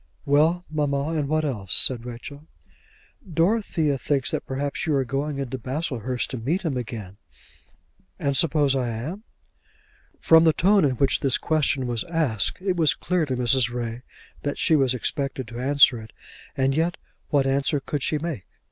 "Well, mamma; and what else?" said Rachel. "Dorothea thinks that perhaps you are going into Baslehurst to meet him again." "And suppose I am?" From the tone in which this question was asked it was clear to Mrs. Ray that she was expected to answer it. And yet what answer could she make?